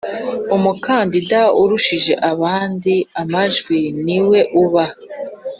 umukandida urushije abandi amajwi ni we uba